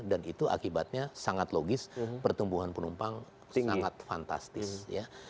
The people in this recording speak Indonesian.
dan itu akibatnya sangat logis pertumbuhan penumpang sangat fantastis